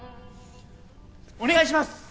お願いします！